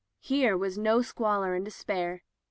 Here was no squalor and despair.